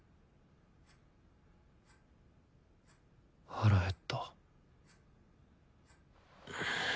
腹減った。